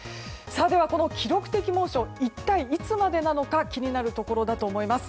では、この記録的猛暑一体いつまでなのか気になるところだと思います。